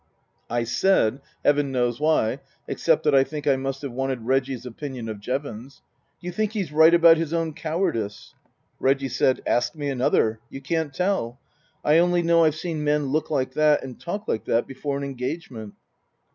I said (Heaven knows why, except that I think I must have wanted Reggie's opinion of Jevons) :" D'you think he's right about his own cowardice ?" Reggie said, " Ask me another. You can't tell. I only know I've seen men look like that and talk like that before an engagement."